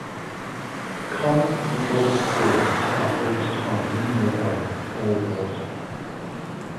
Common hydraulic fluids are based on mineral oil or water.